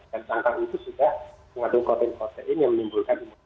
dan tangkang itu sudah mengandung kode kode ini yang menimbulkan imun